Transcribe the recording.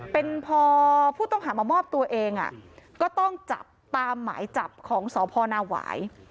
เป็นพอผู้ต้องหามามอบตัวเองก็ต้องจับตามหมายจับของสพนาหวาย